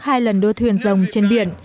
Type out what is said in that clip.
hai lần đua thuyền rồng trên biển